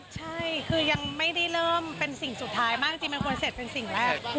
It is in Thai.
ใช่คือยังไม่ได้เริ่มเป็นสิ่งสุดท้ายมากจริงมันควรเสร็จเป็นสิ่งแรก